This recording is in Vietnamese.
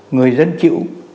người dân chịu